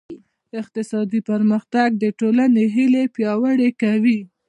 اقتصادي پرمختګ د ټولنې هیلې پیاوړې کوي.